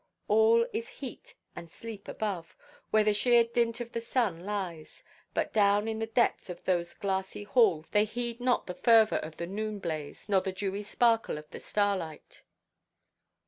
All is heat and sleep above, where the sheer dint of the sun lies; but down in the depth of those glassy halls they heed not the fervour of the noon–blaze, nor the dewy sparkle of starlight.